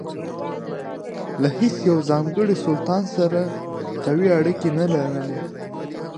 له هیڅ یوه ځانګړي سلطان سره قوي اړیکې نه لرلې.